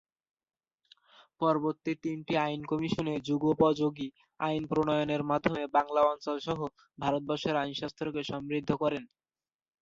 পরবর্তী তিনটি আইন কমিশন যুগোপযোগী আইন প্রণয়নের মাধ্যমে বাংলা অঞ্চলসহ ভারতবর্ষের আইনশাস্ত্রকে সমৃদ্ধ করেন।